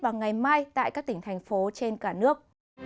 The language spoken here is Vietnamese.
và ngày mai tại các tỉnh thành phố trên cả nước